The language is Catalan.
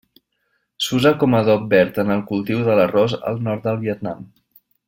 S'usa com adob verd en el cultiu de l'arròs al nord del Vietnam.